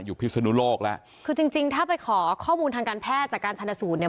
พิศนุโลกแล้วคือจริงจริงถ้าไปขอข้อมูลทางการแพทย์จากการชนสูตรเนี่ย